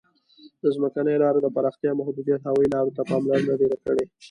د ځمکنیو لارو د پراختیا محدودیت هوایي لارو ته پاملرنه ډېره کړې.